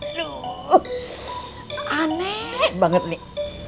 aduh aneh banget nih